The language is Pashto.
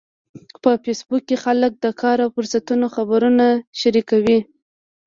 په فېسبوک کې خلک د کار او فرصتونو خبرونه شریکوي